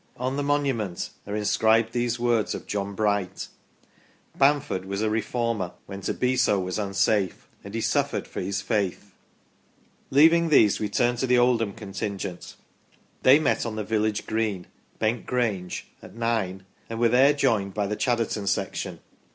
On the monument are in scribed these words of John Bright :" Bamford was a Reformer when to be so was unsafe, and he suffered for his faith ". Leaving these, we turn to the Oldham contingent. They met on the village green, Bent Grange, at nine, and were there joined by the Chadderton section.